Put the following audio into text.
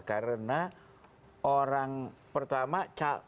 karena orang pertama